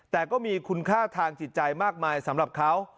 แต่ก็มีคุณค่าทางจิตใจมากมายสำหรับเขา